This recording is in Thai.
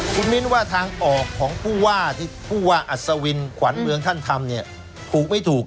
คุณมิ้นว่าทางออกของผู้ว่าที่ผู้ว่าอัศวินขวัญเมืองท่านทำเนี่ยถูกไม่ถูก